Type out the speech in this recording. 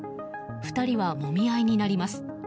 ２人は、もみ合いになります。